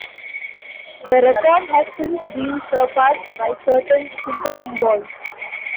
The record has since been surpassed by certain synthetic boules.